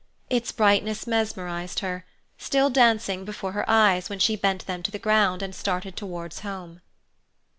Its brightness mesmerized her, still dancing before her eyes when she bent them to the ground and started towards home.